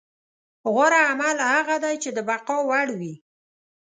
غوره عمل هغه دی چې د بقا وړ وي.